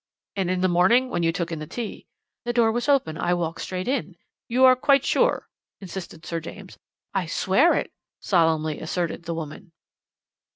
"'And in the morning when you took in the tea?' "'The door was open. I walked straight in.' "'You are quite sure?' insisted Sir James. "'I swear it,' solemnly asserted the woman.